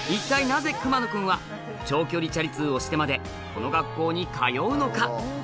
なぜ熊野くんは長距離チャリ通をしてまでこの学校に通うのか？